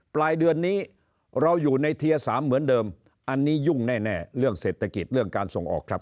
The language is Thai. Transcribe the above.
ปลายเดือนนี้เราอยู่ในเทียร์๓เหมือนเดิมอันนี้ยุ่งแน่เรื่องเศรษฐกิจเรื่องการส่งออกครับ